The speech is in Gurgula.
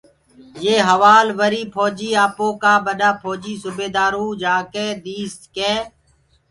يي هوآل وريٚ ڦوجيٚ آپوڪآ ٻڏآ ڦوجيٚ سوبيدآروُ جآڪي ديس ڪي